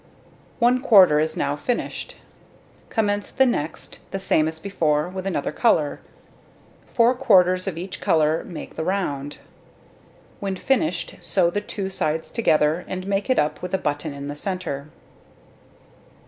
One quarter is now finished. Commence the next, the same as before, with another colour. Four quarters of each colour make the round. When finished, sew the two sides together, and make it up with a button in the centre.